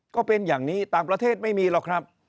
ก็เป็นอย่างนี้ต่างประเทศไม่มีหรอกครับ